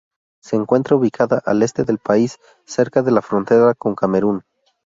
Se encuentra ubicada al este del país, cerca de la frontera con Camerún.